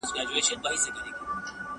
لکه تږې دښته